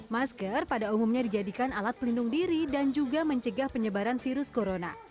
masker pada umumnya dijadikan alat pelindung diri dan juga mencegah penyebaran virus corona